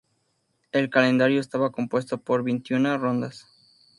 El calendario estaba compuesto por veintiuna rondas.